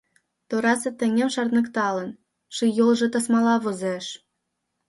Торасе таҥем шарныкталын, Ший йолжо тасмала возеш.